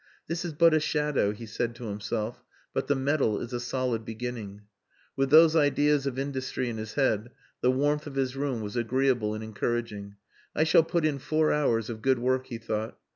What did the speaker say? "This is but a shadow," he said to himself, "but the medal is a solid beginning." With those ideas of industry in his head the warmth of his room was agreeable and encouraging. "I shall put in four hours of good work," he thought.